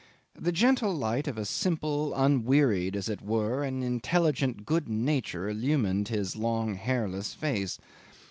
The gentle light of a simple, unwearied, as it were, and intelligent good nature illumined his long hairless face.